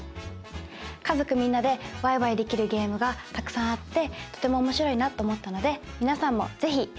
家族みんなでわいわいできるゲームがたくさんあってとても面白いなと思ったので皆さんも是非やってみて下さい。